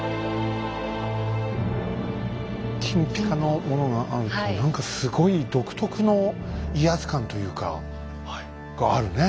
金ぴかのものがあるって何かすごい独特の威圧感というかがあるね。